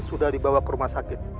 sudah dibawa ke rumah sakit